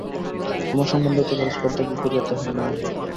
আমার সম্বন্ধে এতবড়ো স্পর্ধা কী করিয়া তাহার মনে হইল।